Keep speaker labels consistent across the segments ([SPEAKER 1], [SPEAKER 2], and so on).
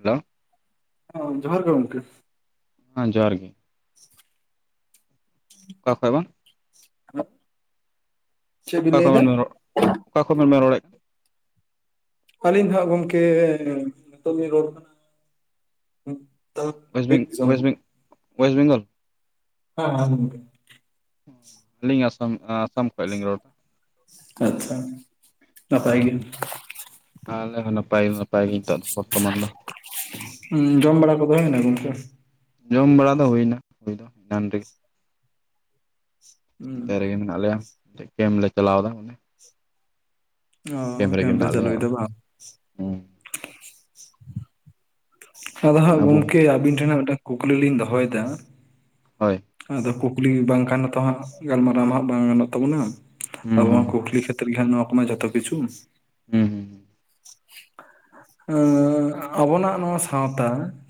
[SPEAKER 1] Hello
[SPEAKER 2] ᱚ ᱡᱚᱦᱟᱨ ᱜᱮ ᱜᱚᱢᱠᱮ᱾
[SPEAKER 1] ᱦᱮᱸ ᱡᱚᱦᱟᱨ ᱜᱮ᱾
[SPEAKER 2] [inaudible]
[SPEAKER 1] ᱚᱠᱟ ᱠᱷᱚᱡ ᱵᱟᱝ᱾
[SPEAKER 2] [inaudible] ᱪᱮᱫ ᱵᱤᱱ
[SPEAKER 1] ᱚᱠᱟ
[SPEAKER 2] ᱞᱟᱹᱭ
[SPEAKER 1] ᱠᱷᱚᱱ
[SPEAKER 2] ᱮᱫᱟ
[SPEAKER 1] ᱵᱮᱱ ᱨᱚᱲ ᱚᱠᱟ ᱠᱷᱚᱱ ᱵᱮᱱ ᱨᱚᱲᱮᱫ
[SPEAKER 2] ᱟᱹᱞᱤᱧ ᱫᱚ ᱦᱟᱸᱜ ᱜᱚᱢᱠᱮ ᱱᱤᱛᱚᱜ ᱤᱧ ᱨᱚᱲ ᱠᱟᱱᱟ
[SPEAKER 1] ᱳᱭᱮᱥ
[SPEAKER 2] ᱵᱤᱨ
[SPEAKER 1] ᱵᱮᱝ
[SPEAKER 2] ᱫᱤᱥᱚᱢ
[SPEAKER 1] ᱚᱭᱮᱥ ᱵᱮᱝ ᱚᱭᱮᱥᱴ ᱵᱮᱝᱜᱚᱞ᱾
[SPEAKER 2] [unintelligible]
[SPEAKER 1] ᱟᱹᱞᱤᱧ ᱟᱥᱟᱢ ᱟᱥᱟᱢ ᱠᱷᱚᱡ ᱞᱤᱧ ᱨᱚᱲ
[SPEAKER 2] ᱟᱪᱪᱷᱟ ᱱᱟᱯᱟᱭ ᱜᱮ᱾
[SPEAKER 1] ᱟᱞᱮ ᱦᱚᱸ ᱱᱟᱯᱟᱭ ᱜᱮ ᱱᱟᱯᱟᱭ ᱜᱮ ᱱᱤᱛᱚᱜ ᱫᱚ ᱵᱚᱨᱛᱚᱢᱟᱱ ᱫᱚ᱾
[SPEAKER 2] ᱩᱸ ᱡᱚᱢ ᱵᱟᱲᱟ ᱠᱚᱫᱚ ᱦᱩᱭ ᱱᱟ ᱜᱚᱝᱠᱮ᱾
[SPEAKER 1] ᱡᱚᱢ ᱵᱟᱲᱟ ᱫᱚ ᱦᱩᱭᱱᱟ ᱦᱩᱭ ᱫᱚ ᱮᱱᱟᱱ ᱨᱮ᱾
[SPEAKER 2] [inaudible]
[SPEAKER 1] ᱱᱚᱛᱮ ᱨᱮᱜᱮ ᱢᱮᱱᱟᱜ ᱞᱮᱭᱟ ᱠᱮᱢ ᱞᱮ ᱪᱟᱞᱟᱣ ᱫᱟ᱾
[SPEAKER 2] ᱚ
[SPEAKER 1] ᱨᱮᱜᱮ
[SPEAKER 2] ᱠᱮᱢ ᱯᱮ
[SPEAKER 1] ᱢᱮᱱᱟᱜ ᱞᱮᱭᱟ
[SPEAKER 2] ᱪᱟᱞᱩᱭ ᱫᱟ ᱵᱟᱝ?
[SPEAKER 1] ᱦᱩᱸ
[SPEAKER 2] ᱟᱫᱚ ᱦᱟᱜ
[SPEAKER 1] ᱟᱵᱚ
[SPEAKER 2] ᱜᱚᱝᱠᱮ ᱟᱵᱤᱱ ᱴᱷᱮᱱ ᱢᱤᱫᱴᱟᱝ ᱠᱩᱠᱞᱤ ᱞᱤᱧ ᱫᱚᱦᱚᱭ ᱫᱟ?
[SPEAKER 1] ᱦᱳᱭ,
[SPEAKER 2] ᱟᱫᱚ ᱠᱩᱠᱞᱤ ᱵᱟᱝ ᱠᱷᱟᱱ ᱢᱟᱛᱚ ᱦᱟᱜ ᱜᱟᱞᱢᱟᱨᱟᱣ ᱦᱟᱜ ᱵᱟᱝ ᱜᱟᱱᱚᱜ ᱛᱟᱵᱚᱱᱟ
[SPEAKER 1] ᱦᱩᱸ
[SPEAKER 2] ᱟᱵᱚ
[SPEAKER 1] ᱦᱩᱸ
[SPEAKER 2] ᱠᱩᱠᱞᱤ ᱠᱷᱮᱛ [unintelligible] ᱱᱚᱣᱟ ᱠᱚᱢᱟ ᱡᱷᱚᱛᱚ ᱠᱤᱪᱷᱩ᱾
[SPEAKER 1] ᱦᱩᱸᱻ
[SPEAKER 2] ᱟᱹᱻ ᱟᱵᱚᱱᱟᱜ ᱱᱚᱣᱟ ᱥᱟᱶᱛᱟ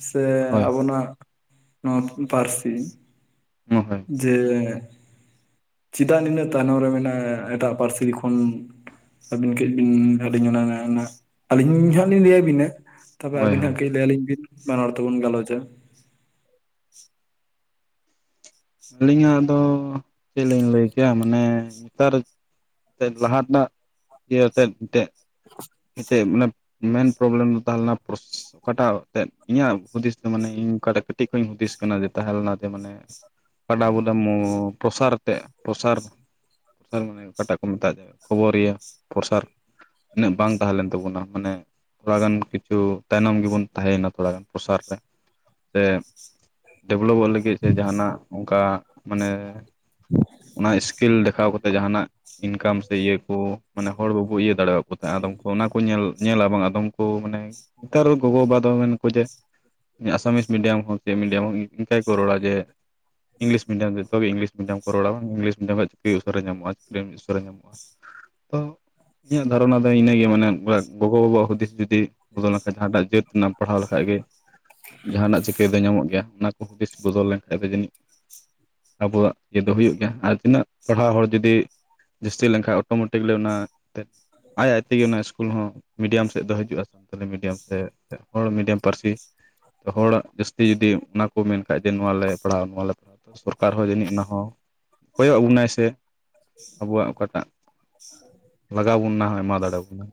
[SPEAKER 2] ᱥᱮ
[SPEAKER 1] ᱦᱳᱭ
[SPEAKER 2] ᱟᱵᱚᱱᱟᱜ ᱱᱚᱣᱟ ᱯᱟᱹᱨᱥᱤ
[SPEAKER 1] [unintelligible]
[SPEAKER 2] ᱡᱮ ᱪᱤᱫᱟᱜ ᱱᱤᱱᱟᱹᱜ ᱛᱟᱭᱱᱚᱢ ᱨᱮ ᱢᱮᱱᱟᱜ-ᱟ ᱮᱴᱟᱜ ᱯᱟᱹᱨᱥᱤ ᱠᱷᱚᱱ ᱟᱹᱵᱤᱱ ᱠᱟᱹᱡ ᱵᱤᱱ ᱟᱹᱞᱤᱧ ᱚᱱᱟ ᱚᱱᱟ ᱚᱱᱟ ᱟᱹᱞᱤᱧ ᱦᱟᱜ ᱞᱤᱧ ᱞᱟᱹᱭ ᱟᱹᱵᱤᱱᱟ᱾ ᱛᱚᱵᱮ
[SPEAKER 1] ᱦᱳᱭ
[SPEAKER 2] ᱟᱵᱤᱱ
[SPEAKER 1] ᱦᱳᱭ
[SPEAKER 2] ᱦᱟᱜ ᱠᱟᱹᱡ ᱞ ᱞᱟᱹᱭᱟᱞᱤᱧ ᱵᱤᱱ ᱵᱟᱱᱟ ᱦᱚᱲ ᱛᱮᱵᱚᱱ ᱜᱟᱞᱚᱪᱟ᱾
[SPEAKER 1] ᱟᱹᱞᱤᱧᱟᱜ ᱫᱚ ᱪᱮᱫ ᱞᱤᱧ ᱞᱟᱹᱭ ᱠᱮᱭᱟ ᱢᱟᱱᱮ ᱱᱮᱛᱟᱨ ᱛᱮᱫ ᱞᱟᱦᱟᱴᱟᱜ ᱤᱭᱟᱹᱛᱮᱫ ᱛᱮᱫ ᱢᱤᱫᱴᱮᱡ᱾ ᱢᱤᱫᱴᱮᱡ ᱢᱟᱱᱮ ᱢᱮᱱ ᱯᱨᱚᱵᱞᱮᱢ ᱫᱚ ᱛᱟᱦᱮᱸ ᱞᱮᱱᱟ ᱯᱨᱚᱥ ᱚᱠᱟᱴᱟᱜ ᱛᱮᱫ ᱤᱧᱟᱹᱜ ᱦᱩᱫᱤᱥ ᱫᱚ ᱢᱟᱱᱮ ᱤᱧ ᱚᱠᱟᱴᱟᱜ ᱠᱟᱹᱴᱤᱡ ᱠᱷᱚᱡ ᱤᱧ ᱦᱩᱫᱤᱥ ᱠᱟᱱᱟ ᱡᱮ ᱛᱟᱦᱮᱸ ᱞᱮᱱᱟ ᱡᱮ ᱢᱟᱱᱮ ᱠᱟᱰᱟ ᱵᱚᱫᱟ ᱢᱚ ᱯᱨᱚᱥᱟᱨ ᱛᱮᱜ ᱯᱨᱚᱥᱟᱨ ᱯᱨᱚᱥᱟᱨ ᱢᱟᱱᱮ ᱚᱠᱟᱴᱟᱜ ᱠᱚ ᱢᱮᱛᱟᱜ ᱠᱷᱚᱵᱚᱨᱤᱭᱟ ᱯᱨᱚᱥᱟᱨ ᱩᱱᱟᱹᱜ ᱵᱟᱝ ᱛᱟᱦᱮᱸ ᱞᱮᱱ ᱛᱟᱵᱚᱱᱟ ᱢᱟᱱᱮ ᱛᱷᱚᱲᱟ ᱜᱟᱱ ᱠᱤᱪᱷᱩ ᱛᱟᱭᱱᱚᱢ ᱜᱮᱵᱚᱱ ᱛᱟᱸᱦᱮᱭᱱᱟ ᱛᱷᱚᱲᱟ ᱜᱟᱱ ᱯᱨᱚᱥᱟᱨ ᱨᱮ᱾ ᱥᱮ, ᱰᱮᱵᱷᱞᱚᱯ ᱚᱜ ᱞᱟᱹᱜᱤᱫ ᱥᱮ ᱡᱟᱦᱟᱱᱟᱜ ᱚᱱᱠᱟ ᱢᱟᱱᱮ ᱚᱱᱟ ᱤᱥᱠᱤᱞ ᱫᱮᱠᱷᱟᱣ ᱡᱟᱦᱟᱱᱟᱜ ᱤᱱᱠᱟᱢ ᱥᱮ ᱤᱭᱟᱹ ᱠᱚ ᱢᱟᱱᱮ ᱦᱚᱲ ᱵᱟᱵᱚ ᱤᱭᱟᱹ ᱫᱟᱲᱮᱣᱟᱜ ᱠᱚ ᱛᱟᱦᱮᱸᱡ-ᱟ ᱟᱫᱚᱢ ᱠᱚ ᱚᱱᱟ ᱠᱚ ᱧᱮᱞ ᱧᱮᱞ ᱟᱵᱚᱱ ᱟᱫᱚᱢ ᱠᱚ ᱢᱟᱱᱮ ᱱᱮᱛᱟᱨ ᱜᱚᱜᱚ ᱵᱟᱵᱟ ᱫᱚ ᱢᱮᱱ ᱟᱠᱚ ᱡᱮ, ᱟᱥᱟᱢᱤᱥ ᱢᱤᱰᱤᱭᱟᱢ ᱦᱚᱸ ᱪᱮᱫ ᱢᱤᱰᱤᱭᱟᱢ ᱦᱚᱸ ᱤᱱᱠᱟ ᱜᱮᱠᱟ ᱨᱚᱲᱟ ᱡᱮ ᱤᱝᱞᱤᱥ ᱢᱤᱰᱤᱭᱟᱢ ᱡᱚᱛᱚ ᱜᱮ ᱤᱝᱞᱤᱥ ᱢᱤᱰᱤᱭᱟᱢ ᱠᱚ ᱨᱚᱲᱟ ᱵᱟᱝ ᱤᱝᱞᱤᱥ ᱢᱤᱰᱤᱭᱟᱢ ᱨᱮ ᱪᱟᱹᱠᱨᱤ ᱩᱥᱟᱹᱨᱟ ᱧᱟᱢᱚᱜ-ᱟ ᱪᱟᱹᱠᱨᱤ ᱩᱥᱟᱹᱨᱟ ᱧᱟᱢᱚᱜ-ᱟ᱾ ᱛᱚ ᱤᱧᱟᱹᱜ ᱫᱷᱟᱨᱚᱱᱟ ᱫᱚ ᱤᱱᱟᱹ ᱜᱮᱭᱟ ᱢᱟᱱᱮ ᱜᱚᱜᱚ ᱵᱟᱵᱟᱣᱟᱜ ᱦᱩᱫᱤᱥ ᱡᱩᱫᱤ ᱵᱚᱫᱚᱞ ᱞᱮᱱᱠᱷᱟᱱ ᱡᱟᱦᱟᱸᱴᱟᱜ ᱡᱟᱹᱛ ᱨᱮᱱᱟᱜ ᱯᱟᱲᱦᱟᱣ ᱞᱮᱠᱷᱟᱡ ᱜᱮ ᱡᱟᱦᱟᱱᱟᱜ ᱪᱤᱠᱟᱹᱭ ᱫᱚ ᱧᱟᱢᱚᱜ ᱜᱮᱭᱟ ᱚᱱᱟ ᱠᱚ ᱦᱩᱫᱤᱥ ᱵᱚᱫᱚᱞ ᱞᱮᱱᱠᱷᱟᱡ ᱫᱚ ᱡᱟᱹᱱᱤᱡ ᱟᱵᱚᱣᱟᱜ ᱤᱭᱟᱹ ᱫᱚ ᱦᱩᱭᱩᱜ ᱜᱮᱭᱟ ᱟᱨ ᱛᱤᱱᱟᱹᱜ ᱯᱟᱲᱦᱟᱣ ᱦᱚᱲ ᱡᱩᱫᱤ ᱡᱟᱹᱥᱛᱤ ᱞᱮᱱᱠᱷᱟᱡ ᱚᱴᱳᱢᱮᱴᱤᱠᱞᱤ ᱚᱱᱟ ᱛᱮ ᱟᱡ ᱟᱡ ᱛᱮᱜᱮ ᱚᱱᱟ ᱤᱥᱠᱩᱞ ᱦᱚᱸ ᱢᱤᱰᱤᱭᱟᱢ ᱥᱮᱫ ᱫᱚ ᱦᱤᱡᱩᱜᱼᱟ ᱥᱟᱱᱛᱟᱞᱤ ᱢᱤᱰᱤᱭᱟᱢ ᱥᱮ ᱦᱚᱲ ᱢᱤᱰᱤᱭᱟᱢ ᱯᱟᱹᱨᱥᱤ ᱦᱚᱲᱟᱜ ᱡᱟᱹᱥᱛᱤ ᱡᱩᱫᱤ ᱚᱱᱟ ᱠᱚ ᱢᱮᱱᱠᱷᱟᱡ ᱱᱚᱣᱟ ᱞᱮ ᱯᱟᱲᱦᱟᱣ ᱱᱚᱣᱟ ᱞᱮ ᱯᱟᱲᱦᱟᱣ ᱥᱚᱨ ᱠᱟᱨ ᱦᱚ ᱡᱟᱹᱱᱤᱡ ᱚᱱᱟ ᱦᱚ ᱠᱚᱭᱚᱜ ᱟᱵᱚᱱᱟᱭ ᱥᱮ ᱟᱵᱚᱣᱟᱜ ᱚᱠᱟᱴᱟᱜ ᱞᱟᱜᱟᱣ ᱵᱚᱱ ᱚᱱᱟ ᱦᱚᱭ ᱮᱢᱟ ᱫᱟᱲᱮᱣ ᱟᱵᱚᱱᱟ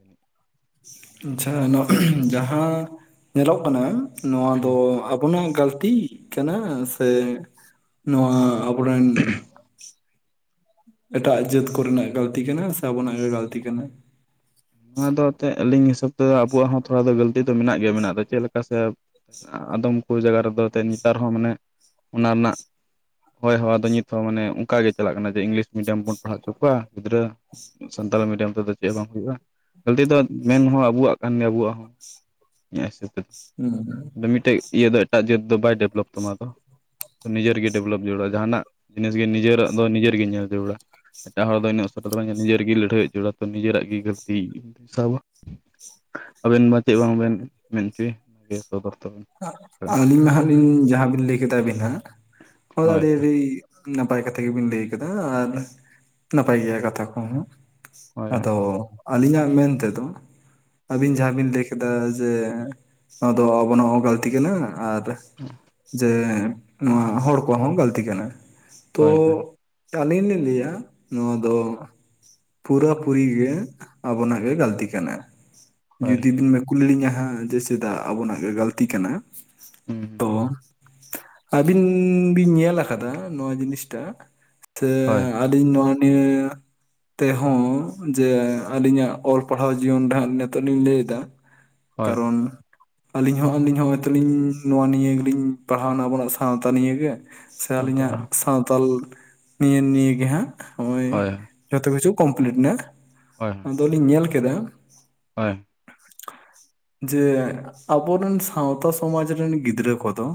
[SPEAKER 2] ᱟᱪᱪᱷᱟ ᱱᱚᱣᱟ ᱡᱟᱦᱟ ᱧᱮᱞᱚᱜ ᱠᱟᱱᱟ ᱱᱚᱣᱟ ᱫᱚ ᱟᱵᱚᱱᱟᱜ ᱜᱟᱹᱞᱛᱤ ᱠᱟᱱᱟ ᱥᱮ ᱱᱚᱣᱟ ᱠᱩᱨᱮᱱ ᱮᱴᱟᱜ ᱡᱟᱹᱛ ᱠᱚᱨᱮᱱᱟᱜ ᱜᱟᱹᱞᱛᱤ ᱠᱟᱱᱟ ᱥᱮ ᱟᱵᱚᱱᱟᱜ ᱜᱮ ᱜᱟᱹᱞᱛᱤ ᱠᱟᱱᱟ?
[SPEAKER 1] ᱱᱚᱣᱟ ᱫᱚ ᱮᱛᱮᱫ ᱟᱹᱞᱤᱧ ᱦᱤᱥᱟᱹᱵ ᱛᱮᱫᱚ ᱟᱵᱚᱣᱟᱜ ᱦᱚᱸ ᱛᱷᱚᱲᱟ ᱫᱚ ᱜᱟᱹᱞᱛᱤ ᱤᱛᱟᱹᱫᱚ ᱢᱮᱱᱟᱜ ᱜᱮᱭᱟ ᱢᱮᱱᱟᱜ ᱫᱚ ᱪᱮᱫ ᱞᱮᱠᱟ ᱥᱮ ᱟᱫᱚᱢ ᱠᱚ ᱡᱟᱭᱜᱟ ᱨᱮᱫᱚ ᱛᱮ ᱱᱮᱛᱟᱨ ᱦᱚᱸ ᱢᱟᱱᱮ ᱚᱱᱟ ᱱᱟᱜ ᱦᱳᱭ ᱦᱟᱣᱟ ᱫᱚ ᱱᱤᱛ ᱦᱚᱸ ᱢᱟᱱᱮ ᱚᱱᱠᱟᱟᱜ ᱜᱮ ᱪᱟᱞᱟᱜ ᱠᱟᱱᱟ ᱡᱮ ᱤᱝᱞᱤᱥ ᱢᱤᱰᱤᱭᱟᱢ ᱵᱚᱱ ᱯᱟᱲᱦᱟᱣ ᱦᱚᱪᱚ ᱠᱚᱣᱟ ᱜᱤᱫᱽᱨᱟᱹ, ᱥᱟᱱᱛᱟᱞᱤ ᱢᱤᱰᱤᱭᱟᱢ ᱛᱮᱫᱚ ᱪᱮᱫ ᱦᱚᱸ ᱵᱟᱝ ᱦᱩᱭᱩᱜ-ᱟ? ᱜᱟᱞᱛᱤ ᱫᱚ ᱢᱮᱱ ᱦᱚᱸ ᱟᱵᱚᱣᱟᱜ ᱠᱟᱱ ᱜᱮᱭᱟ ᱟᱵᱚᱣᱟᱜ ᱦᱚᱸ ᱤᱧᱟᱹᱜ ᱦᱤᱥᱟᱹᱵ ᱛᱮᱫᱚ,
[SPEAKER 2] ᱦᱩᱸ
[SPEAKER 1] ᱟᱫᱚ ᱢᱤᱫᱴᱮᱡ ᱤᱭᱟᱹ ᱫᱚ ᱮᱴᱟᱜ ᱡᱟᱹᱛ ᱫᱚ ᱵᱟᱭ ᱰᱮᱵᱷᱞᱚᱯ ᱛᱟᱢᱟ ᱛᱚ᱾ ᱱᱤᱡᱮᱨᱜᱮ ᱰᱮᱵᱷᱞᱚᱯ ᱡᱟᱹᱨᱩᱲᱟ ᱡᱟᱦᱟᱸᱱᱟᱜ ᱡᱤᱱᱤᱥ ᱜᱮ ᱱᱤᱡᱮᱨᱟᱜ ᱫᱚ ᱱᱤᱡᱮᱨᱜᱮ ᱧᱮᱞ ᱡᱟᱹᱨᱩᱲᱟ᱾ ᱮᱴᱟᱜ ᱦᱚᱲ ᱫᱚ ᱤᱱᱟᱹᱜ ᱩᱥᱟᱹᱨᱟ ᱵᱟᱭ ᱧᱮᱞᱟ ᱱᱤᱡᱮᱨᱜᱮ ᱞᱟᱹᱲᱦᱟᱹᱭᱚᱜ ᱡᱟᱹᱨᱩᱲᱟ ᱛᱚ ᱱᱤᱡᱮᱨᱟᱜ ᱜᱮ ᱜᱟᱹᱞᱛᱤ ᱥᱟᱵᱟ᱾ ᱟᱵᱮᱱ ᱢᱟ ᱪᱮᱫ ᱵᱟᱝᱵᱮᱱ ᱢᱮᱱ ᱦᱚᱪᱚᱭᱮ ᱞᱟᱹᱭ ᱥᱚᱫᱚᱨ ᱛᱟᱵᱮᱱ? ᱦᱳᱭ
[SPEAKER 2] ᱟᱹᱞᱤᱧ ᱢᱟ ᱦᱟᱸᱜ ᱞᱤᱧ ᱡᱟᱦᱟᱸ ᱵᱤᱱ ᱞᱟᱹᱭ ᱠᱮᱫᱟᱵᱤᱱ ᱦᱟᱸᱜ ᱚᱱᱟᱜᱮ ᱟᱹᱰᱤ ᱱᱟᱯᱟᱭ ᱠᱟᱛᱷᱟ ᱜᱮᱵᱤᱱ ᱞᱟᱹᱭ ᱟᱠᱟᱫᱟ ᱟᱨ ᱱᱟᱯᱟᱭ ᱜᱮᱭᱟ ᱠᱟᱛᱷᱟ ᱠᱚᱦᱚᱸ
[SPEAKER 1] ᱦᱳᱭ
[SPEAKER 2] ᱟᱫᱚ ᱟᱹᱞᱤᱧᱟᱜ ᱢᱮᱱ ᱛᱮᱫᱚ ᱟᱹᱵᱤᱱ ᱡᱟᱦᱟᱸᱵᱤᱱ ᱞᱟᱹᱭ ᱠᱮᱫᱟ ᱡᱮ ᱱᱚᱣᱟ ᱫᱚ ᱟᱵᱚᱱᱟᱜ ᱦᱚᱸ ᱜᱟᱹᱞᱛᱤ ᱠᱟᱱᱟ ᱟᱨ ᱡᱮ ᱱᱚᱣᱟ ᱦᱚᱲ ᱠᱚᱣᱟᱜ ᱦᱚᱸ ᱜᱟᱹᱞᱛᱤ ᱠᱟᱱᱟ ᱛᱚ
[SPEAKER 1] ᱦᱳᱭ ᱦᱳᱭ
[SPEAKER 2] ᱟᱹᱞᱤᱧ ᱞᱤᱧ ᱞᱟᱹᱭᱟ ᱱᱚᱣᱟ ᱫᱚ ᱯᱩᱨᱟᱹᱯᱩᱨᱤ ᱜᱮ ᱟᱵᱚᱱᱟᱜ ᱜᱮ ᱜᱟᱹᱞᱛᱤ ᱠᱟᱱᱟ᱾
[SPEAKER 1] ᱦᱳᱭ
[SPEAKER 2] ᱡᱩᱫᱤᱵᱤᱱ ᱠᱩᱞ ᱞᱟᱹᱞᱤᱧᱟ ᱦᱟᱸᱜ ᱡᱮ ᱪᱮᱫᱟᱜ ᱟᱵᱚᱱᱟᱜ ᱜᱮ ᱜᱟᱹᱞᱛᱤ ᱠᱟᱱᱟ?
[SPEAKER 1] ᱦᱩᱸ
[SPEAKER 2] ᱛᱚ ᱟᱹᱵᱤᱱ ᱵᱤᱱ ᱧᱮᱞ ᱟᱠᱟᱫᱟ ᱱᱚᱣᱟ ᱡᱤᱱᱤᱥᱴᱟ ᱥᱮ
[SPEAKER 1] ᱦᱳᱭ
[SPEAKER 2] ᱟᱹᱞᱤᱧ ᱱᱚᱣᱟ ᱱᱤᱭᱟᱹ ᱛᱮᱦᱚᱸ ᱡᱮ ᱟᱹᱞᱤᱧᱟᱜ ᱚᱞ ᱯᱟᱲᱦᱟᱣ ᱡᱤᱭᱚᱱ ᱫᱚᱦᱟᱸᱜ ᱱᱤᱛᱚᱜ ᱞᱤᱧ ᱞᱟᱹᱭ ᱮᱫᱟ
[SPEAKER 1] ᱦᱳᱭ
[SPEAKER 2] ᱠᱟᱨᱚᱱ ᱟᱹᱞᱤᱧ ᱦᱚᱸ ᱱᱚᱜ-ᱚᱭ ᱛᱟᱹᱞᱤᱧ ᱱᱚᱣᱟ ᱱᱤᱭᱟᱹ ᱜᱮᱞᱤᱧ ᱯᱟᱲᱦᱟᱣᱱᱟ ᱟᱵᱚᱱᱟᱜ ᱥᱟᱶᱛᱟ ᱱᱤᱭᱮ ᱜᱮ, ᱥᱮ
[SPEAKER 1] ᱥᱟᱱᱛᱟᱲ
[SPEAKER 2] ᱟᱹᱞᱤᱧᱟᱜ ᱥᱟᱶᱛᱟᱞ ᱱᱤᱭᱮ ᱱᱤᱭᱮ ᱜᱮ ᱦᱟᱸᱜ ᱦᱚᱜ-ᱚᱭ
[SPEAKER 1] ᱦᱳᱭ
[SPEAKER 2] ᱡᱚᱛᱚ ᱠᱤᱪᱷᱩ ᱠᱚᱢᱯᱤᱞᱤᱴ ᱮᱱᱟ᱾
[SPEAKER 1] ᱦᱳᱭ ᱦᱳᱭ
[SPEAKER 2] ᱟᱫᱚᱞᱤᱧ ᱧᱮᱞ ᱠᱮᱫᱟ
[SPEAKER 1] ᱦᱳᱭ
[SPEAKER 2] ᱡᱮ ᱟᱵ ᱟᱵᱚᱨᱮᱱ ᱥᱟᱶᱛᱟ ᱥᱚᱢᱟᱡᱽ ᱨᱮᱱ ᱜᱤᱫᱽᱨᱟᱹ ᱠᱚᱫᱚ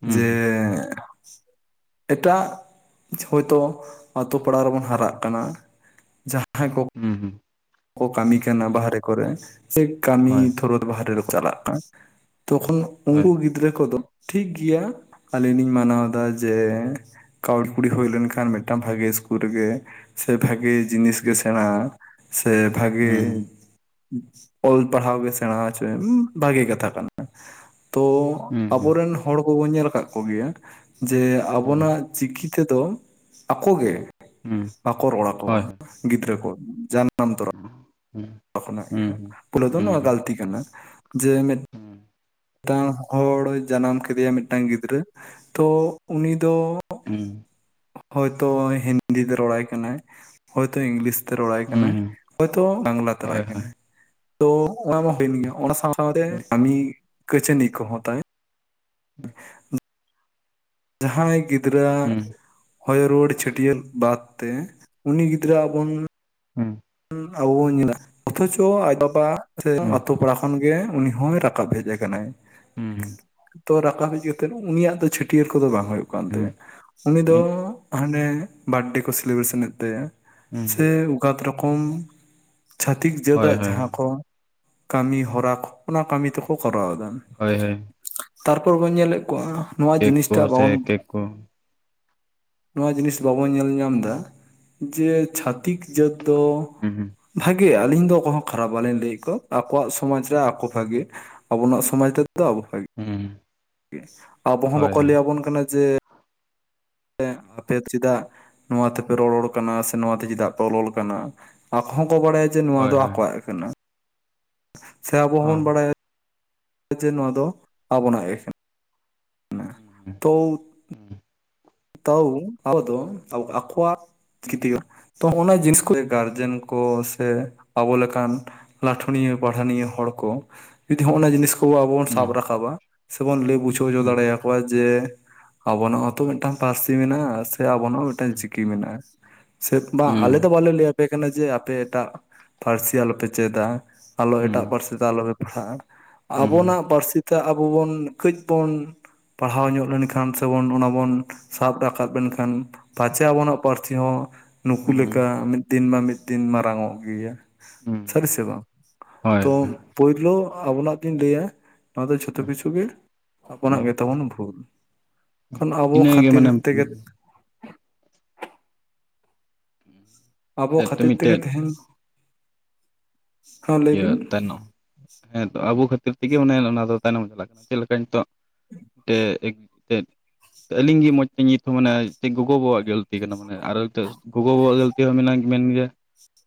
[SPEAKER 1] ᱦᱩᱸ
[SPEAKER 2] ᱡᱮ ᱮᱴᱟᱜ ᱦᱳᱭᱛᱚ ᱟᱛᱳ ᱯᱟᱲᱟ ᱨᱮᱵᱚᱱ ᱦᱟᱨᱟᱜ ᱠᱟᱱᱟ ᱡᱟᱦᱟᱸᱭ ᱠᱚ
[SPEAKER 1] ᱦᱩᱸ ᱦᱩᱸ
[SPEAKER 2] ᱠᱳ ᱠᱟᱹᱢᱤ ᱠᱟᱱᱟ ᱵᱟᱦᱨᱮ ᱠᱚᱨᱮ ᱥᱮ ᱠᱟᱹᱢᱤ
[SPEAKER 1] ᱦᱳᱭ
[SPEAKER 2] ᱛᱷᱳᱨᱳᱛ ᱵᱟᱦᱨᱮ ᱨᱮ ᱠᱚ ᱪᱟᱞᱟᱜ ᱠᱟᱱ ᱛᱚᱠᱷᱚᱱ
[SPEAKER 1] ᱦᱳᱭ
[SPEAKER 2] ᱩᱱᱠᱩ ᱜᱤᱫᱽᱨᱟᱹ ᱠᱚᱫᱚ ᱴᱷᱤᱠ ᱜᱤᱭᱟ ᱟᱹᱞᱤᱧ ᱞᱤᱧ ᱢᱟᱱᱟᱣ ᱫᱟ ᱡᱮ ᱠᱟᱹᱣᱰᱤ ᱠᱩᱲᱤ ᱦᱩᱭ ᱞᱮᱱᱠᱷᱟᱱ ᱢᱮᱫᱴᱟᱱ ᱵᱷᱟᱜᱮ ᱥᱠᱩᱞ ᱨᱮᱜᱮ ᱥᱮ ᱵᱷᱟᱜᱮ ᱡᱤᱱᱤᱥ ᱜᱮ
[SPEAKER 1] ᱦᱩᱸ
[SPEAKER 2] ᱥᱮᱸᱬᱟ ᱥᱮ ᱵᱷᱟᱜᱮ
[SPEAKER 1] ᱦᱩᱸ
[SPEAKER 2] ᱚᱞ ᱯᱟᱲᱦᱟᱣ ᱜᱮ ᱥᱮᱬᱟ ᱦᱚᱪᱚᱭ ᱮᱢ ᱵᱷᱟᱜᱮ ᱠᱟᱛᱷᱟ ᱠᱟᱱᱟ ᱛᱳ
[SPEAKER 1] ᱦᱩᱸ
[SPEAKER 2] ᱟᱵᱳᱨᱮᱱ ᱦᱚᱲ ᱠᱳᱵᱳᱱ ᱧᱮᱞ ᱠᱟᱫ ᱠᱳᱜᱮᱭᱟ ᱡᱮ
[SPEAKER 1] ᱦᱩᱸ
[SPEAKER 2] ᱟᱵᱳᱱᱟᱜ ᱪᱤᱠᱤ ᱛᱮᱫᱚ ᱟᱠᱚ ᱜᱮ
[SPEAKER 1] ᱦᱩᱸ
[SPEAKER 2] ᱵᱟᱠᱚ ᱨᱚᱲ ᱟᱠᱚᱣᱟ
[SPEAKER 1] ᱦᱳᱭ ᱦᱳᱭ
[SPEAKER 2] ᱜᱤᱫᱽᱨᱟᱹ ᱠᱚ ᱡᱟᱱᱟᱢ ᱛᱚᱨᱟ
[SPEAKER 1] ᱦᱩᱸ
[SPEAKER 2] ᱠᱷᱚᱱᱟᱜ ᱜᱮ
[SPEAKER 1] ᱦᱩᱸ
[SPEAKER 2] ᱯᱳᱞᱳ ᱫᱚ ᱱᱚᱣᱟ
[SPEAKER 1] ᱦᱩᱸ
[SPEAKER 2] ᱜᱟᱞᱛᱤ ᱠᱟᱱᱟ ᱡᱮ ᱢᱤᱫ
[SPEAKER 1] ᱦᱩᱸ
[SPEAKER 2] ᱴᱟᱝ ᱦᱚᱲ ᱡᱟᱱᱟᱢ ᱠᱮᱫᱮᱭᱟᱢ ᱢᱤᱫᱴᱟᱝ ᱜᱤᱫᱽᱨᱟᱹ, ᱛᱚ ᱩᱱᱤ ᱫᱚ
[SPEAKER 1] ᱦᱩᱸ
[SPEAKER 2] ᱦᱚᱭ ᱛᱚ ᱦᱤᱱᱫᱤ ᱛᱮ ᱨᱚᱲᱟᱭ ᱠᱟᱱᱟᱭ ᱦᱚᱭ ᱛᱚ ᱤᱝᱞᱤᱥ ᱛᱮ ᱨᱚᱲᱟᱭ ᱠᱟᱱᱟᱭ
[SPEAKER 1] ᱦᱩᱸ
[SPEAKER 2] ᱦᱚᱭ ᱛᱚ ᱵᱟᱝᱞᱟ
[SPEAKER 1] ᱦᱳᱭ
[SPEAKER 2] ᱛᱚᱨᱟᱭ
[SPEAKER 1] ᱦᱳᱭ
[SPEAKER 2] ᱠᱟᱱᱟᱭ ᱛᱳ ᱚᱱᱟ ᱢᱟ ᱦᱩᱭᱮᱱ ᱜᱮᱭᱟ ᱚᱱᱟ ᱥᱟᱶ ᱥᱟᱶ ᱛᱮ
[SPEAKER 1] ᱦᱩᱸ
[SPEAKER 2] ᱠᱟᱢᱤ ᱠᱟᱹᱪᱟᱹᱱᱤ ᱠᱚ ᱦᱚᱸ ᱛᱟᱭ
[SPEAKER 1] ᱦᱩᱸ
[SPEAKER 2] ᱡᱟᱦᱟᱸᱭ ᱜᱤᱫᱽᱨᱟᱹ ᱟᱜ
[SPEAKER 1] ᱦᱩᱸ
[SPEAKER 2] ᱦᱚᱭᱚᱨᱩᱣᱟᱹᱲ ᱪᱷᱟᱹᱴᱭᱟᱹᱨ ᱵᱟᱫ ᱛᱮ ᱩᱱᱤ ᱜᱤᱫᱽᱨᱟᱹ ᱟᱜ ᱵᱚᱱ
[SPEAKER 1] ᱦᱩᱸ
[SPEAKER 2] ᱟᱵᱳ ᱵᱳᱱ ᱧᱮᱞ ᱟ ᱚᱛᱷᱚᱪᱚ ᱟᱡ ᱵᱟᱵᱟᱜ ᱛᱮ
[SPEAKER 1] ᱦᱩᱸ
[SPEAKER 2] ᱟᱛᱳ ᱯᱟᱲᱟ ᱠᱷᱚᱱ ᱜᱮ ᱩᱱᱤ ᱦᱚᱸᱭ ᱨᱟᱠᱟᱵ ᱦᱮᱡ ᱠᱟᱱᱟᱭ ᱛᱚ ᱨᱟᱠᱟᱵ ᱦᱮᱡ ᱠᱟᱛᱮ ᱩᱱᱤᱭᱟᱜ ᱫᱚ ᱪᱷᱟᱹ ᱴᱟᱹᱭᱟᱹᱨ ᱠᱚᱫᱚ ᱵᱟᱝ ᱦᱳᱭᱳᱜ ᱠᱟᱱ ᱛᱟᱭᱟ
[SPEAKER 1] ᱦᱩᱸ
[SPEAKER 2] ᱩᱱᱤ ᱫᱚ ᱦᱟᱱᱮ ᱵᱟᱨᱰᱮ ᱠᱚ ᱥᱮᱞᱤᱵᱨᱮᱥᱮᱱ ᱮᱫ ᱛᱟᱭᱟ, ᱥᱮ ᱩᱜᱟᱛ ᱨᱚᱠᱚᱢ ᱪᱷᱟᱛᱤᱠ
[SPEAKER 1] ᱦᱳᱭ
[SPEAKER 2] ᱡᱟᱹᱛᱼᱟᱜ
[SPEAKER 1] ᱦᱳᱭ
[SPEAKER 2] ᱡᱟᱦᱟᱸ ᱠᱚ ᱠᱟᱹᱢᱤ ᱦᱚᱨᱟ ᱚᱱᱟ ᱠᱟᱹᱢᱤ ᱛᱮᱠᱚ ᱠᱚᱨᱟᱣᱫᱟ᱾
[SPEAKER 1] ᱦᱳᱭ ᱦᱳᱭ
[SPEAKER 2] ᱛᱟᱨᱯᱚᱨ ᱵᱚᱱ ᱧᱮᱞᱮᱫ ᱠᱚᱣᱟ ᱱᱚᱣᱟ
[SPEAKER 1] ᱠᱮᱠ ᱠᱚ
[SPEAKER 2] ᱡᱤᱱᱤᱥᱴᱟ
[SPEAKER 1] ᱥᱮ
[SPEAKER 2] ᱵᱟᱵᱚᱱ
[SPEAKER 1] ᱠᱮᱠ ᱠᱚ
[SPEAKER 2] ᱱᱚᱣᱟ ᱡᱤᱱᱤᱥ ᱵᱟᱵᱚᱱ ᱧᱮᱞ ᱧᱟᱢᱫᱟ ᱡᱮ ᱪᱷᱟᱹᱛᱤᱠ ᱡᱟᱹᱛ ᱫᱚ
[SPEAKER 1] ᱦᱩᱸ
[SPEAKER 2] ᱵᱷᱟᱜᱮᱭᱟ ᱟᱹᱞᱤᱧ ᱫᱚ ᱠᱳᱱᱳ ᱠᱷᱟᱨᱟᱯ ᱵᱟᱞᱤᱧ ᱞᱮᱭᱮᱫ ᱠᱚᱣᱟ ᱟᱠᱚᱣᱟᱜ ᱥᱚᱢᱟᱡᱽ ᱨᱮ ᱟᱠᱚ ᱵᱷᱟᱜᱮ᱾ ᱟᱵᱚᱱᱟᱜ ᱥᱚᱢᱟᱡ ᱛᱮᱫᱚ ᱟᱵᱳ ᱵᱷᱟᱜᱮ
[SPEAKER 1] ᱦᱩᱸ
[SPEAKER 2] ᱟᱵᱚ ᱦᱚᱸ
[SPEAKER 1] ᱦᱳᱭ
[SPEAKER 2] ᱵᱟᱠᱚ
[SPEAKER 1] ᱦᱳᱭ
[SPEAKER 2] ᱞᱟᱹᱭ ᱟᱵᱚᱱ ᱠᱟᱱᱟ ᱡᱮ ᱟᱯᱮ ᱪᱤᱫᱟᱜ ᱱᱚᱣᱟ ᱛᱮᱯᱮ ᱨᱚᱨᱚᱲ ᱠᱟᱱᱟ ᱥᱮ ᱱᱚᱣᱟ ᱛᱮ ᱪᱤᱫᱟᱜ ᱯᱮ ᱚᱞᱚᱞ ᱠᱟᱱᱟ ᱟᱠᱚ ᱦᱚᱸᱠᱚ ᱵᱟᱲᱟᱭᱟ ᱡᱮ ᱱᱚᱣᱟ
[SPEAKER 1] ᱦᱳᱭ
[SPEAKER 2] ᱫᱚ
[SPEAKER 1] ᱦᱳᱭ
[SPEAKER 2] ᱟᱠᱚᱣᱟᱜ ᱜᱮ ᱠᱟᱱᱟ ᱥᱮ ᱟᱵᱚ
[SPEAKER 1] ᱦᱳᱭ
[SPEAKER 2] ᱦᱚᱸᱵᱚᱱ ᱵᱟᱲᱟᱭᱟ ᱡᱮ ᱱᱚᱣᱟ ᱫᱚ ᱟᱵᱚᱱᱟᱜ ᱜᱮ
[SPEAKER 1] ᱦᱩᱸ
[SPEAKER 2] ᱛᱚ ᱳ ᱛᱟᱹᱣ ᱟᱵᱳ ᱫᱚ ᱟᱠᱳᱣᱟᱜ ᱠᱤᱛᱤᱜ ᱛᱚ ᱚᱱᱟ ᱡᱤᱱᱤᱥ ᱠᱚᱜᱮ ᱜᱟᱨᱡᱮᱱ ᱠᱚ ᱥᱮ ᱟᱵᱚ ᱞᱮᱠᱟᱱ ᱞᱟᱴᱷᱩᱱᱤᱭᱟᱹ ᱯᱟᱲᱦᱟᱱᱤᱭᱟᱹ ᱦᱚᱲ ᱠᱚ ᱡᱩᱫᱤ ᱦᱚᱜᱼᱱᱟ ᱡᱤᱱᱤᱥ ᱠᱳ ᱟᱵᱚ ᱵᱚᱱ ᱥᱟᱵ ᱨᱟᱠᱟᱵᱟ ᱥᱮ ᱵᱚᱱ ᱞᱮᱭ ᱵᱩᱡᱷᱟᱹᱣ ᱦᱚᱪᱚ ᱫᱟᱲᱮᱭᱟᱠᱚᱣᱟ ᱡᱮ ᱟᱵᱚᱱᱟᱜ ᱦᱚᱛᱚ ᱢᱤᱫᱴᱟᱝ ᱯᱟᱹᱨᱥᱤ ᱢᱮᱱᱟᱜᱼᱟ ᱥᱮ ᱟᱵᱚᱱᱟᱜ ᱢᱤᱫᱴᱟᱝ ᱪᱤᱠᱤ ᱢᱮᱱᱟᱜᱼᱟ ᱥᱮ ᱵᱟᱝ ᱟᱞᱮ ᱫᱚ ᱵᱟᱞᱮ ᱞᱟᱹᱭᱟ ᱟᱯᱮ ᱠᱟᱱᱟ ᱡᱮ ᱟᱯᱮ ᱮᱴᱟᱜ ᱯᱟᱹᱨᱥᱤ ᱟᱞᱚᱯᱮ ᱪᱮᱫᱟ ᱟᱞᱚ ᱮᱴᱟᱜ ᱯᱟᱹᱨᱥᱤ ᱛᱮ ᱟᱞᱚᱯᱮ ᱯᱟᱲᱦᱟᱜᱼᱟ᱾ ᱟᱵᱚᱱᱟᱜ ᱯᱟᱹᱨᱥᱤ ᱛᱮ ᱟᱵᱳ ᱵᱳᱱ ᱠᱟᱹᱡ ᱵᱳᱱ ᱯᱟᱲᱦᱟᱣ ᱧᱚᱜ ᱞᱮᱱᱠᱷᱟᱱ ᱥᱮᱵᱚᱱ ᱚᱱᱟ ᱵᱳᱱ ᱥᱟᱵ ᱨᱟᱠᱟᱵ ᱞᱮᱱᱠᱷᱟᱱ ᱯᱟᱸᱪᱮ ᱟᱵᱚᱱᱟᱜ ᱯᱟᱹᱨᱥᱤ ᱦᱚᱸ ᱱᱩᱠᱩ ᱞᱮᱠᱟ ᱢᱤᱫ ᱫᱤᱱ ᱵᱟᱝ ᱢᱤᱫ ᱫᱤᱱ ᱢᱟᱨᱟᱝ ᱚᱜ ᱜᱮᱭᱟ ᱥᱟᱹᱨᱤ ᱥᱮ ᱵᱟᱝ ᱛᱳ ᱯᱳᱭᱞᱳ ᱟᱵᱚᱱᱟᱜ ᱛᱤᱧ ᱞᱟᱹᱭᱟ, ᱱᱚᱣᱟ ᱫᱚ ᱡᱷᱚᱛᱚ ᱠᱤᱪᱷᱩ ᱜᱮ ᱟᱵᱚᱱᱟᱜ ᱜᱮᱛᱟᱵᱚᱱ ᱵᱷᱩᱞ ᱠᱚ ᱟᱵᱳ ᱠᱷᱟ
[SPEAKER 1] ᱤᱱᱟᱹᱜᱮ
[SPEAKER 2] ᱛᱤᱨ
[SPEAKER 1] ᱢᱟᱱᱮ
[SPEAKER 2] ᱛᱮᱜᱮ ᱟᱵᱚ ᱠᱷᱟᱹᱛᱤᱨ ᱛᱮᱜᱮ
[SPEAKER 1] ᱢᱤᱫᱴᱮᱡ
[SPEAKER 2] ᱛᱮᱦᱮᱧ ᱦᱚᱸ ᱞᱟᱹᱭ
[SPEAKER 1] ᱤᱭᱟᱹ
[SPEAKER 2] ᱵᱤᱱ
[SPEAKER 1] ᱛᱟᱭᱱᱚᱢ ᱦᱮᱸᱛᱚ ᱟᱵᱳ ᱠᱷᱟᱹᱛᱤᱨ ᱛᱤᱜᱤ ᱢᱟᱱᱮ ᱚᱱᱟ ᱫᱚ ᱛᱟᱭᱱᱚᱢ ᱪᱟᱞᱟᱜ ᱠᱟᱱᱟ ᱪᱮᱫ ᱞᱮᱠᱟ ᱱᱤᱛᱚᱜ ᱛᱮ ᱟᱹᱞᱤᱧ ᱜᱤ ᱢᱚᱡᱽ ᱛᱤ ᱧᱤᱛᱩᱢ ᱢᱟᱱᱮ ᱜᱚᱜᱚ ᱵᱟᱵᱟᱣᱟᱜ ᱜᱮ ᱛᱤ ᱠᱟᱱᱟ ᱢᱟᱱᱮ ᱟᱨ ᱱᱤᱛᱳᱜ ᱜᱚᱜᱚ ᱵᱟᱵᱟᱣᱟᱜ ᱜᱟᱹᱞᱛᱤ ᱦᱚᱸ ᱢᱮᱱᱟᱜ ᱢᱮᱱ ᱜᱮᱭᱟ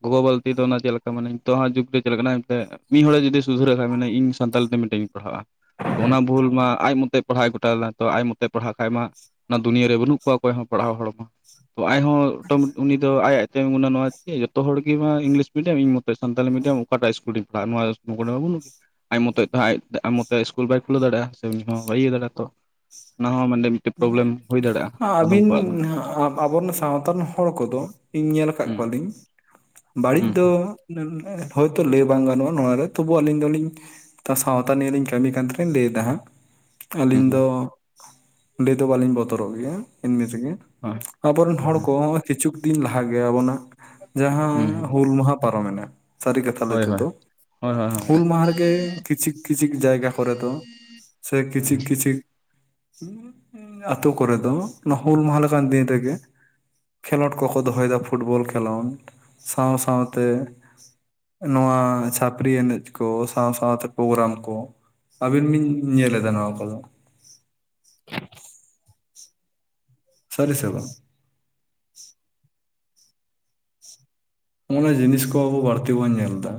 [SPEAKER 1] ᱜᱚᱜᱚ ᱵᱟᱵᱟᱣᱟᱜ ᱜᱟᱹᱞᱛᱤ ᱫᱚ ᱚᱱᱟ ᱪᱮᱫ ᱞᱮᱠᱟ ᱢᱟᱱᱮ, ᱛᱚ ᱦᱟᱜ ᱡᱩᱜ ᱛᱮ ᱪᱟᱞᱟᱜ ᱠᱟᱱᱟ ᱮᱱᱛᱮᱫ ᱢᱤᱫ ᱦᱚᱲᱟᱜ ᱡᱩᱫᱤ ᱥᱩᱫᱷᱟᱹᱨᱟᱜ ᱛᱟᱨᱢᱟᱮ ᱤᱧ ᱥᱟᱱᱛᱟᱞ ᱛᱮ ᱢᱤᱴᱟᱹᱧ ᱯᱟᱲᱦᱟᱜᱼᱟ ᱛᱚ ᱚᱱᱟ ᱵᱷᱩᱞ ᱢᱟ ᱟᱡ ᱢᱚᱛᱮ ᱯᱟᱲᱦᱟᱜ ᱮ ᱜᱚᱴᱟ ᱞᱮᱫᱟ ᱛᱚ ᱟᱡ ᱢᱚᱛᱮ ᱯᱟᱲᱦᱟᱜ ᱠᱷᱟᱡ ᱢᱟ ᱚᱱᱟ ᱫᱩᱱᱭᱟᱹ ᱨᱮ ᱵᱟᱹᱱᱩᱜ ᱠᱚᱣᱟ ᱚᱠᱚᱭ ᱦᱚᱸ ᱯᱟᱲᱦᱟᱣ ᱦᱚᱲ ᱦᱚᱸ᱾ ᱛᱚ ᱟᱡᱦᱚᱸ [unintelligible] ᱩᱱᱤ ᱫᱚ ᱟᱭ ᱟᱭ ᱛᱮᱜᱩᱱᱟ ᱱᱚᱣᱟ ᱪᱮᱫ ᱡᱚᱛᱚ ᱦᱚᱲ ᱜᱮ ᱵᱟᱝ ᱤᱝᱞᱤᱥ ᱢᱤᱰᱤᱭᱚᱢ ᱤᱧ ᱢᱚᱛᱚ ᱥᱟᱱᱛᱟᱲᱤ ᱢᱤᱰᱤᱭᱟᱢ, ᱚᱠᱟᱴᱟᱜ ᱤᱥᱠᱩᱞᱤᱧ ᱯᱟᱲᱦᱼᱟ ᱱᱚᱣᱟ [unintelligible] ᱟᱡ ᱢᱚᱛᱚᱡ ᱛᱮᱦ ᱟᱡ ᱟᱢ ᱢᱚᱛᱚᱡ ᱤᱥᱠᱩᱞ ᱵᱟᱭ ᱠᱷᱩᱞᱟᱹᱣ ᱫᱟᱲᱮᱭᱟᱜᱼᱟ ᱥᱮ ᱩᱱᱤ ᱦᱚᱸ ᱵᱟᱭ ᱤᱭᱟᱹ ᱫᱟᱲᱮᱭᱟᱜᱼᱟ ᱛᱚ ᱚᱱᱟ ᱦᱚᱸ ᱢᱟᱱᱮ ᱯᱨᱚᱵᱞᱮᱢ ᱦᱩᱭ ᱦᱩᱭ
[SPEAKER 2] ᱟᱵᱤᱱ ᱟᱵᱚᱨᱮᱱ ᱥᱟᱶᱛᱟ ᱨᱮᱱ ᱦᱚᱲ ᱠᱚᱫᱚ ᱤᱧ ᱧᱮᱞ ᱠᱟᱜ
[SPEAKER 1] ᱦᱩᱸ
[SPEAKER 2] ᱠᱚᱣᱟᱞᱤᱧ, ᱵᱟᱹᱲᱤᱡ
[SPEAKER 1] ᱦᱩᱸ
[SPEAKER 2] ᱫᱚ ᱦᱳᱭᱛᱳ ᱞᱟᱹᱭ ᱵᱟᱝ ᱜᱟᱱᱚᱜᱼᱟ ᱱᱚᱣᱟᱨᱮ ᱛᱚᱵᱩ ᱟᱹᱞᱤᱧ ᱫᱚᱞᱤᱧ ᱥᱟᱶᱛᱟ ᱱᱤᱭᱮ ᱞᱤᱧ ᱠᱟᱹᱢᱤ ᱠᱟᱱ ᱛᱮᱞᱤᱧ ᱞᱟᱹᱭᱮᱫᱟ ᱦᱟᱸᱜ
[SPEAKER 1] ᱦᱩᱸ
[SPEAKER 2] ᱟᱹᱞᱤᱧ
[SPEAKER 1] ᱦᱩᱸ
[SPEAKER 2] ᱫᱚ, ᱟᱺᱰᱤ ᱫᱚ ᱵᱟᱞᱤᱧ ᱵᱚᱛᱚᱨᱚᱜ ᱜᱮᱭᱟ ᱮᱢᱱᱤ ᱛᱮᱜᱮ ᱟᱵᱚᱨᱮᱱ ᱦᱚᱲ ᱠᱚ, ᱠᱤᱪᱷᱩᱠ ᱫᱤᱱ ᱞᱟᱦᱟ ᱜᱮ ᱟᱵᱚᱱᱟᱜ ᱡᱟᱦᱟᱸ ᱦᱩᱞ ᱢᱟᱦᱟ ᱯᱟᱨᱚᱢᱮᱱᱟ, ᱥᱟ. ᱨᱤ ᱠᱟᱛᱷᱟ ᱞᱟ. ᱭ
[SPEAKER 1] ᱦᱳᱭ ᱦᱳᱭ
[SPEAKER 2] ᱛᱮᱫᱚ,
[SPEAKER 1] ᱦᱳᱭ ᱦᱳᱭ ᱦᱳᱭ ᱦᱳᱭ ᱦᱳᱭ ᱦᱳᱭ
[SPEAKER 2] ᱦᱩᱞ ᱢᱟᱦᱟᱨᱮᱜᱮ ᱠᱤᱪᱷᱤᱠ ᱠᱤᱪᱷᱤᱠ ᱡᱟᱭᱜᱟ ᱠᱚᱨᱮ ᱫᱚ ᱥᱮ ᱠᱤᱪᱷᱤᱠ ᱠᱤᱪᱷᱤᱠ [inaudible] ᱟᱛᱩ ᱠᱚᱨᱮ ᱫᱚ ᱱᱚᱣᱟ ᱦᱩᱞ ᱢᱟᱦᱟᱞ ᱞᱮᱠᱟᱱ ᱫᱤᱱ ᱨᱮᱜᱮ, ᱠᱷᱮᱞᱳᱰ ᱠᱚᱠᱚ ᱫᱚᱦᱚᱭᱫᱟ ᱯᱷᱩᱴᱵᱚᱞ ᱠᱷᱮᱞᱳᱰ ᱥᱟᱶ ᱥᱟᱶᱛᱮ ᱱᱚᱣᱟ ᱪᱷᱟᱹᱯᱨᱤ ᱮᱱᱮᱡ ᱠᱚ ᱥᱟᱶ ᱥᱟᱶᱛᱮ ᱯᱨᱳᱜᱨᱟᱢ ᱠᱚ ᱟᱵᱤᱱ ᱵᱤᱱ ᱧᱮᱞ ᱮᱫᱟ ᱱᱚᱣᱟ ᱠᱚᱫᱚ᱾ ᱥᱟ. ᱨᱤ ᱥᱮ ᱵᱟᱝ ᱱᱚᱜ-ᱚᱱᱟ ᱡᱤᱱᱤᱥ ᱠᱚ ᱟᱵᱚ ᱵᱟᱹᱲᱛᱤ ᱵᱚᱱ ᱧᱮᱞ ᱫᱟ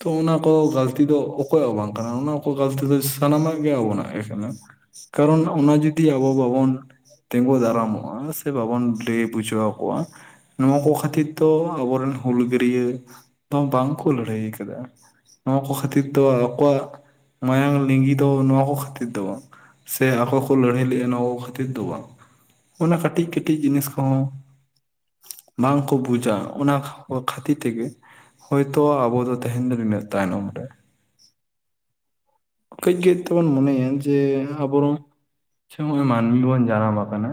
[SPEAKER 2] ᱛᱚ ᱚᱱᱟ ᱠᱚ ᱜᱟᱞᱛᱤ ᱫᱚ ᱚᱠᱚᱭᱟᱜ ᱦᱚᱸ ᱵᱟᱝ ᱠᱟᱱᱟ ᱚᱱᱟ ᱠᱚ ᱜᱟᱞᱛᱤ ᱫᱚ ᱥᱟᱱᱟᱢᱟᱜ ᱜᱮ ᱟᱵᱚᱱᱟᱜ ᱜᱮ ᱠᱟᱱᱟ ᱠᱟᱨᱚᱱ ᱚᱱᱟ ᱡᱩᱫᱤ ᱟᱵᱚ ᱵᱟᱵᱚᱱ ᱛᱤᱸᱜᱩ ᱫᱟᱨᱟᱢᱚᱜᱼᱟ ᱥᱮ ᱵᱟᱵᱚᱱ ᱞᱟᱹᱭ ᱵᱩᱡᱷᱟᱹᱣ ᱟᱠᱚᱣᱟ ᱱᱚᱣᱟ ᱠᱚ ᱠᱷᱟᱹᱛᱤᱨ ᱫᱚ ᱟᱵᱚᱨᱮᱱ ᱦᱩᱞᱜᱟᱹᱨᱤᱭᱟᱹ ᱫᱚ ᱵᱟᱝᱠᱚ ᱞᱟᱹᱲᱦᱟᱹᱭ ᱠᱟᱫᱟ, ᱱᱚᱣᱟ ᱠᱚ ᱠᱷᱟᱹᱛᱤᱨ ᱫᱚ ᱟᱠᱚᱣᱟᱜ ᱢᱟᱭᱟᱝ ᱞᱤᱸᱜᱤ ᱫᱚ ᱱᱚᱣᱟ ᱠᱚ ᱠᱷᱟᱹᱛᱤᱨ ᱫᱚ ᱵᱟᱝ ᱥᱮ ᱟᱠᱚ ᱠᱚ ᱞᱟᱹᱲᱦᱟᱹᱭ ᱞᱮᱫᱼᱟ ᱱᱚᱣᱟ ᱠᱚ ᱠᱷᱟᱹᱛᱤᱨ ᱫᱚ ᱵᱟᱝ ᱚᱱᱟ ᱠᱟᱹᱴᱤᱡ ᱠᱟᱹᱴᱤᱡ ᱡᱤᱱᱤᱥ ᱠᱚᱦᱚᱸ ᱵᱟᱝᱠᱚ ᱵᱩᱡᱟ ᱚᱱᱟ ᱠᱷᱟᱹᱛᱤᱨ ᱛᱮᱜᱮ ᱦᱚᱭᱛᱳ ᱟᱵᱚ ᱫᱚ ᱛᱮᱦᱮᱧ ᱫᱚ ᱱᱤᱱᱟᱹᱜ ᱛᱟᱭᱱᱚᱢ ᱨᱮ ᱠᱟᱹᱡᱽ ᱠᱟᱹᱡᱽ ᱛᱮᱵᱚᱱ ᱢᱚᱱᱮᱭᱟ ᱡᱮ ᱟᱵᱚᱨᱚᱝ ᱡᱮ ᱢᱟᱹᱱᱢᱤ ᱵᱚᱱ ᱡᱟᱱᱟᱢ ᱟᱠᱟᱱᱟ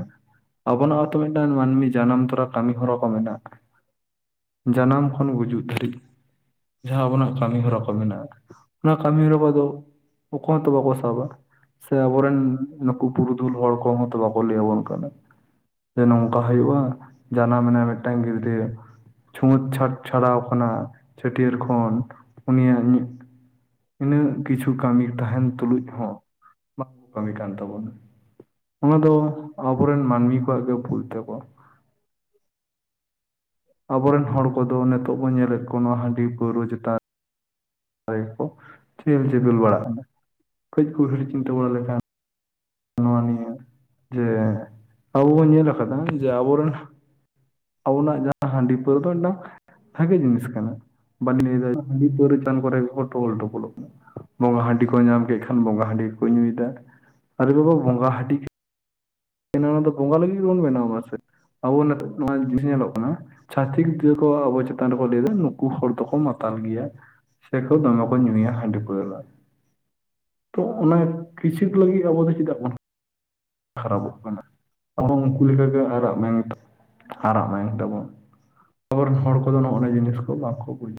[SPEAKER 2] ᱟᱵᱚᱱᱟᱜ ᱦᱚᱸᱛᱚ ᱢᱤᱫᱴᱟᱝ ᱢᱟᱹᱱᱢᱤ ᱡᱟᱱᱟᱢ ᱛᱚᱨᱟ ᱠᱟᱹᱢᱤ ᱦᱚᱨᱟ ᱠᱚ ᱢᱮᱱᱟᱜᱼᱟ ᱡᱟᱱᱟᱢ ᱠᱷᱚᱱ ᱜᱩᱡᱩᱜ ᱫᱷᱟᱹᱨᱤᱡ ᱡᱟᱦᱟᱸ ᱟᱵᱚᱱᱟᱜ ᱠᱟᱹᱢᱤ ᱦᱚᱨᱟ ᱠᱚ ᱢᱮᱱᱟᱜᱼᱟ ᱠᱟᱫᱟ, ᱚᱱᱟ ᱠᱟᱹᱢᱤ ᱦᱚᱨᱟ ᱠᱚᱫᱚ ᱚᱠᱚ ᱦᱚᱸᱛᱚ ᱵᱟᱠᱚ ᱥᱟᱵᱟ ᱥᱮ ᱟᱵᱚᱨᱮᱱ ᱱᱩᱠᱩ ᱯᱩᱨᱩᱫᱷᱩᱞ ᱦᱚᱲ ᱠᱚᱦᱚᱸᱛᱚ ᱵᱟᱠᱚ ᱞᱟᱹᱭ ᱟᱵᱚᱱ ᱠᱟᱱᱟ ᱡᱮ ᱱᱚᱝᱠᱟ ᱦᱩᱭᱩᱜᱼᱟ ᱡᱟᱱᱟᱢ ᱮᱱᱟᱭ ᱢᱤᱫᱴᱟᱝ ᱜᱤᱫᱽᱨᱟᱹ ᱪᱷᱩᱸᱪ ᱪᱷᱟᱸᱪ ᱪᱷᱟᱲᱟᱣ ᱠᱷᱚᱱᱟᱜ ᱪᱷᱟᱹᱴᱭᱟᱹᱨ ᱠᱷᱚᱱ ᱩᱱᱤᱭᱟᱜ ᱧᱩ ᱤᱱᱟᱹᱜ ᱠᱤᱪᱷᱩ ᱠᱟᱹᱢᱤ ᱛᱟᱦᱮᱱ ᱛᱩᱞᱩᱡ ᱦᱚᱸ ᱵᱟᱝᱠᱚ ᱠᱟᱹᱢᱤ ᱠᱟᱱ ᱛᱟᱵᱳᱱᱟ ᱚᱱᱟ ᱫᱚ ᱟᱵᱚᱨᱮᱱ ᱢᱟᱹᱱᱢᱤ ᱠᱚᱣᱟᱜ ᱜᱮ ᱵᱷᱩᱞ ᱛᱟᱵᱚ ᱟᱵᱚᱨᱮᱱ ᱦᱚᱲ ᱠᱚᱫᱚ ᱱᱤᱛᱚᱜ ᱵᱚᱱ ᱧᱮᱞᱮᱫ ᱠᱚᱣᱟ ᱱᱚᱣᱟ ᱦᱟᱺᱰᱤ ᱯᱟᱹᱣᱨᱟᱹ ᱪᱮᱛᱟᱱ ᱨᱮᱠᱚ ᱪᱮᱦᱮᱞ ᱪᱮᱯᱮᱞ ᱵᱟᱲᱟᱜ ᱠᱟᱱᱟ, ᱠᱟᱹᱡ ᱠᱚ ᱩᱭᱦᱟᱹᱨ ᱪᱤᱱᱛᱟᱹ ᱵᱟᱲᱟ ᱞᱮᱠᱷᱟᱱ ᱱᱚᱣᱟ ᱱᱤᱭᱟᱹ ᱡᱮ, ᱟᱵᱚ ᱵᱚᱱ ᱧᱮᱞ ᱟᱠᱟᱫᱟ ᱡᱮ ᱟᱵᱚᱨᱮᱱ ᱟᱵᱚᱱᱟᱜ ᱡᱟᱦᱟᱸ ᱦᱟᱺᱰᱤ ᱯᱟᱹᱣᱨᱟᱹ ᱫᱚ ᱢᱤᱫᱴᱟᱝ ᱵᱷᱟᱹᱜᱤ ᱡᱤᱱᱤᱥ ᱠᱟᱱᱟ, ᱵᱟᱞᱤᱧ ᱞᱟᱹᱭ ᱫᱟᱲᱮ ᱦᱟᱺᱰᱤ ᱯᱟᱹᱣᱨᱟᱹ ᱪᱮᱛᱟᱱ ᱠᱚᱨᱮ ᱜᱮᱠᱚ ᱴᱚᱦᱚᱞ ᱴᱚᱯᱚᱞᱚᱜ ᱠᱟᱱᱟ ᱵᱚᱸᱜᱟ ᱦᱟᱺᱰᱤ ᱠᱚ ᱧᱟᱢ ᱠᱮ ᱠᱷᱟᱱ ᱵᱚᱸᱜᱟ ᱦᱟᱺᱰᱤ ᱜᱮᱠᱚ ᱧᱩᱭᱫᱟ ᱟᱨᱮ ᱵᱟᱵᱟ ᱵᱚᱸᱜᱟ ᱦᱟᱺᱰᱤ ᱠᱟᱱᱟ ᱚᱱᱟ ᱫᱚ ᱵᱚᱸᱜᱟ ᱞᱟᱹᱜᱤᱫ ᱜᱮᱵᱚᱱ ᱵᱮᱱᱟᱣᱟ ᱥᱮ ᱟᱵᱚ ᱱᱤᱛᱚᱜ ᱱᱚᱣᱟ ᱡᱤᱱᱤᱥ ᱧᱮᱞᱚᱜ ᱠᱟᱱᱟ ᱪᱷᱟᱛᱤᱠ ᱜᱤᱫᱽᱨᱟᱹ ᱠᱚ ᱟᱵᱚ ᱪᱮᱛᱟᱱ ᱨᱮᱠᱚ ᱞᱟᱹᱭ ᱮᱫᱟ ᱱᱩᱠᱩ ᱦᱚᱲ ᱫᱚᱠᱚ ᱢᱟᱛᱟᱞ ᱜᱮᱭᱟ ᱥᱮ ᱠᱚ ᱫᱚᱢᱮ ᱠᱚ ᱧᱩᱭᱟ ᱦᱟᱺᱰᱤ ᱯᱟᱹᱣᱨᱟᱹ, ᱛᱚ ᱚᱱᱟ ᱠᱤᱪᱤᱫ ᱞᱟᱹᱜᱤᱫ ᱥᱮ ᱟᱵᱚ ᱫᱚ ᱪᱮᱫᱟᱜ ᱵᱚᱱ ᱠᱷᱟᱨᱟᱵᱚᱜ ᱠᱟᱱᱟ ᱟᱵᱚ ᱩᱱᱠᱩ ᱞᱮᱠᱟ ᱜᱮ ᱟᱨᱟᱜ ᱢᱟᱭᱟᱝ ᱟᱨᱟᱜ ᱢᱟᱭᱟᱝ ᱛᱟᱵᱚᱱ ᱟᱵᱚ ᱨᱮᱱ ᱦᱚᱲ ᱠᱚᱫᱚ ᱱᱚᱜ-ᱚ ᱱᱟ ᱡᱤᱱᱤᱥ ᱠᱚ ᱵᱟᱠᱚ ᱵᱩᱡᱽ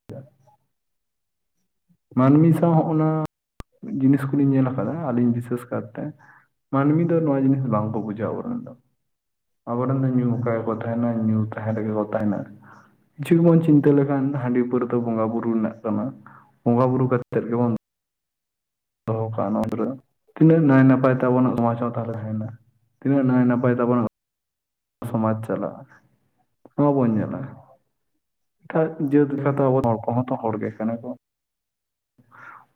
[SPEAKER 2] ᱢᱟᱹᱱᱢᱤ ᱥᱟᱶ ᱦᱚᱸᱜ ᱚᱱᱟ ᱡᱤᱱᱤᱥ ᱠᱚᱞᱤᱧ ᱧᱮᱞ ᱟᱠᱟᱫᱟ ᱟᱹᱞᱤᱧ ᱵᱤᱥᱮᱥ ᱠᱟᱨ ᱛᱮ ᱢᱟᱹᱱᱢᱤ ᱫᱚ ᱱᱚᱣᱟ ᱡᱤᱱᱤᱥ ᱵᱟᱝ ᱠᱚ ᱵᱩᱡᱷᱟᱹᱣ ᱟᱵᱚ ᱨᱮᱱ ᱫᱚ ᱟᱵᱚ ᱨᱮᱱ ᱧᱩ ᱟᱠᱟ ᱜᱮᱠᱚ ᱛᱟᱦᱮᱸᱱᱟ ᱧᱩ ᱛᱟᱦᱮᱸᱱ ᱨᱮᱜᱮ ᱠᱚ ᱛᱟᱦᱮᱱᱟ ᱠᱤᱪᱷᱩᱠ ᱵᱚᱱ ᱪᱤᱱᱛᱟᱹ ᱞᱮᱠᱷᱟᱱ ᱦᱟᱺᱰᱤ ᱯᱟᱹᱣᱨᱟᱹ ᱫᱚ ᱵᱚᱸᱜᱟ ᱵᱩᱨᱩ ᱨᱮᱱᱟᱜ ᱠᱟᱱᱟ ᱵᱚᱸᱜᱟ ᱵᱩᱨᱩ ᱠᱟᱛᱮᱫ ᱜᱮᱵᱚᱱ ᱫᱚᱦᱚ ᱠᱟᱜ-ᱟ ᱱᱚᱣᱟ ᱠᱚᱨᱮ ᱫᱚ, ᱛᱤᱱᱟᱹᱜ ᱱᱟᱹᱭ ᱱᱟᱯᱟᱭ ᱛᱮ ᱟᱵᱚᱱᱟᱜ ᱥᱚᱢᱟᱡ ᱦᱚᱸ ᱛᱟᱦᱮᱸᱱᱟ ᱛᱤᱱᱟᱹᱜ ᱱᱟᱹᱭ ᱱᱟᱯᱟᱭ ᱛᱟᱵᱚᱱᱟ ᱥᱚᱢᱟᱡᱽ ᱪᱟᱞᱟᱜ ᱦᱚᱸ ᱵᱚᱱ ᱧᱮᱞᱟ ᱡᱟᱹᱛ ᱞᱮᱠᱟ ᱛᱮ ᱟᱵᱚ ᱦᱚᱲ ᱠᱚᱦᱚᱸ ᱛᱚ ᱦᱚᱲ ᱜᱮ ᱠᱟᱱᱟ ᱠᱚ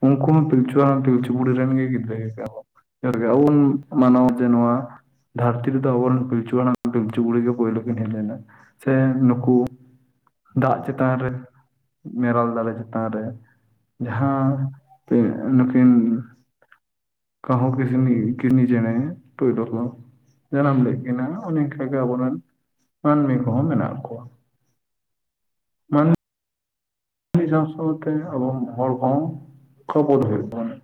[SPEAKER 2] ᱩᱱᱠᱩ ᱦᱚᱸ ᱯᱤᱞᱪᱩ ᱦᱟᱲᱟᱢ ᱯᱤᱞᱪᱩ ᱵᱩᱰᱷᱤ ᱨᱮᱱ ᱜᱤ ᱜᱤᱫᱽᱨᱟᱹ ᱜᱮ ᱠᱟᱱᱟ ᱠᱚ ᱨᱮᱜᱮ ᱟᱵᱚ ᱵᱚᱱ ᱢᱟᱱᱟᱣᱟ ᱡᱮ ᱱᱚᱣᱟ ᱫᱷᱟᱹᱨᱛᱤ ᱨᱮᱫᱚ ᱟᱵᱚᱱ ᱨᱮᱱ ᱯᱤᱞᱪᱩ ᱦᱟᱲᱟᱢ ᱯᱤᱞᱪᱩ ᱵᱩᱲᱦᱤ ᱜᱮ ᱯᱳᱭᱞᱳ ᱠᱤᱱ ᱦᱮᱡ ᱞᱮᱱᱟ, ᱥᱮ ᱱᱩᱠᱩ ᱫᱟᱜ ᱪᱮᱛᱟᱱ ᱨᱮ ᱢᱮᱨᱚᱞ ᱫᱟᱨᱮ ᱪᱮᱛᱟᱱ ᱨᱮ ᱡᱟᱦᱟᱸ ᱛᱮᱜ ᱱᱩᱠᱤᱱ ᱠᱟᱦᱩ ᱠᱤᱥᱱᱤ ᱜᱤ ᱠᱤᱥᱱᱤ ᱪᱮᱬᱮ ᱴᱩᱭᱞᱩ ᱜᱳ ᱡᱟᱱᱟᱢ ᱞᱮᱫ ᱠᱤᱱᱟ ᱩᱱᱤ ᱜᱤ ᱥᱮ ᱜᱮ ᱟᱵᱚ ᱨᱮᱱ ᱢᱟᱹᱱᱢᱤ ᱠᱚᱦᱚᱸ ᱢᱮᱱᱟᱜ ᱠᱚᱣᱟ ᱱᱟᱹᱭ ᱡᱚ ᱥᱩᱨ ᱛᱮ ᱟᱵᱚ ᱨᱮᱱ ᱦᱚᱲ ᱠᱚᱦᱚᱸ ᱠᱷᱚᱵᱚᱨ ᱦᱩᱭᱩᱜ ᱛᱟᱵᱚᱱᱟ